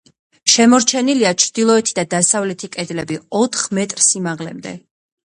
შემორჩენილია ჩრდილოეთი და დასავლეთი კედლები ოთხ მეტრ სიმაღლემდე.